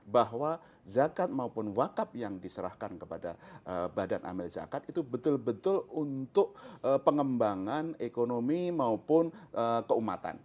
bahwa zakat maupun wakaf yang diserahkan kepada badan amil zakat itu betul betul untuk pengembangan ekonomi maupun keumatan